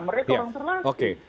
mereka orang terlatih